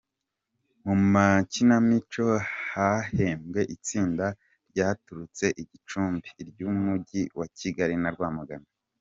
Mu makinamico hahembwe itsinda ryaturutse i Gicumbi, iry’umujyi wa Kigali na Rwamagana.